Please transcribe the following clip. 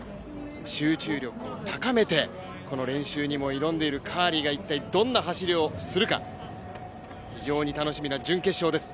集中力を高めてこの練習にも挑んでいるカーリーが一体どんな走りをするか、非常に楽しみな準決勝です。